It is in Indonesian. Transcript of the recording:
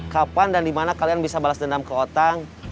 kapan dan dimana kalian bisa balas dendam ke otak